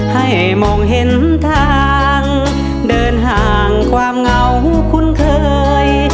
ให้มองเห็นทางเดินห่างความเหงาคุ้นเคย